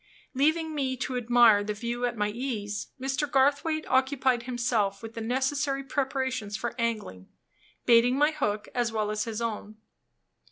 Leaving me to admire the view at my ease, Mr. Garthwaite occupied himself with the necessary preparations for angling, baiting my hook as well as his own.